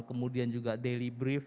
kemudian juga daily brief